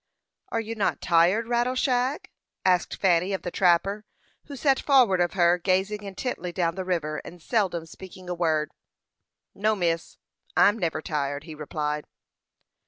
"Are you not tired, Rattleshag?" asked Fanny of the trapper, who sat forward of her, gazing intently down the river, and seldom speaking a word. "No, miss, I'm never tired," he replied.